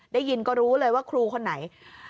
ได้ยินก็รู้เลยว่าครูคนไหน